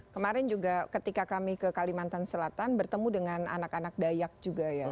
kemarin juga ketika kami ke kalimantan selatan bertemu dengan anak anak dayak juga ya